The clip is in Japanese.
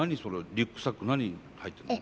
リュックサック何入ってんの？